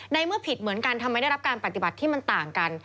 เมื่อผิดเหมือนกันทำไมได้รับการปฏิบัติที่มันต่างกัน